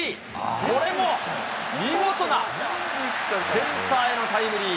これも見事なセンターへのタイムリー。